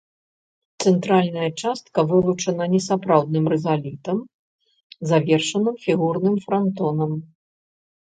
Цэнтральная частка вылучана несапраўдным рызалітам, завершаным фігурным франтонам.